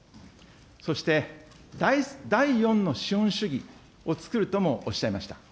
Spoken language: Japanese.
そして第４の資本主義を作るともおっしゃいました。